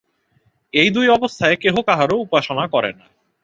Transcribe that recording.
এই দুই অবস্থায় কেহ কাহারও উপাসনা করে না।